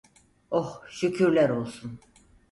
Oh, şükürler olsun.